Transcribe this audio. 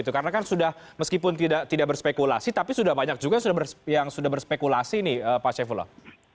karena kan sudah meskipun tidak berspekulasi tapi sudah banyak juga yang sudah berspekulasi nih pak syaifullah